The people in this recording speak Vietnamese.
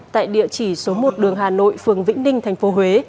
tại địa chỉ số một đường hà nội phường vĩnh ninh tp huế